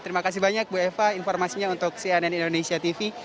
terima kasih banyak bu eva informasinya untuk cnn indonesia tv